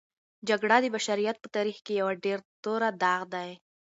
جګړه د بشریت په تاریخ کې یوه توره داغ دی.